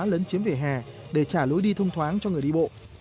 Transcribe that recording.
lấn chiếm vỉa hè để trả lối đi thông thoáng cho người đi bộ